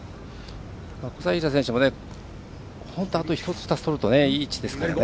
小斉平選手も本当あと１つ２つとるといい位置ですからね。